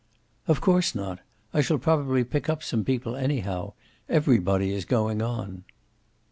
"Of course not. I shall probably pick up some people, anyhow. Everybody is going on."